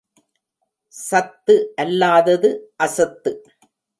சத்து அல்லாதது அசத்து.